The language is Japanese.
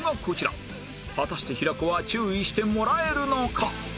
果たして平子は注意してもらえるのか？